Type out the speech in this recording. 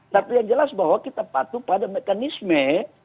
tapi yang jelas bahwa kita patuh pada mekanisme